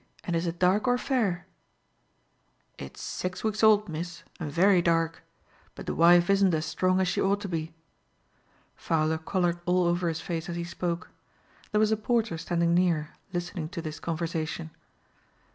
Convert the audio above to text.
and is it dark or fair?" "It's six weeks old, miss, and very dark; but the wife isn't as strong as she ought to be." Fowler colored all over his face as he spoke. There was a porter standing near, listening to this conversation.